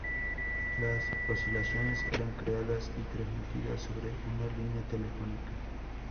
Las oscilaciones eran creadas y transmitidas sobre una línea telefónica.